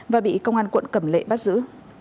và bị công an quận cầm lệ bắt giữ